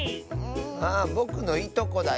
あぼくのいとこだよ！